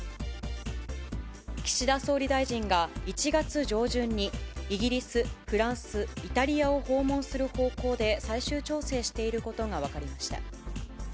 岸田総理大臣が１月上旬に、イギリス、フランス、イタリアを訪問する方向で最終調整していることが分かりました。